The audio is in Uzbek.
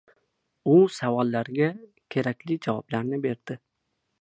U bu savollarga kerakli javoblarni berdi.